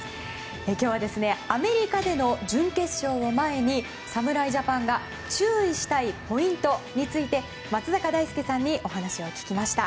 今日は、アメリカでの準決勝を前に侍ジャパンが注意したいポイントについて松坂大輔さんにお話を聞きました。